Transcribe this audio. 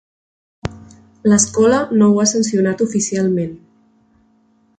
L'escola no ho ha sancionat oficialment.